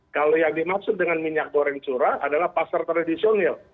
kalau yang dimaksud dengan minyak goreng curah adalah pasar tradisional